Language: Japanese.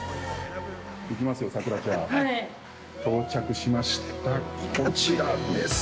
◆いきますよ、咲楽ちゃん。到着しました、こちらです。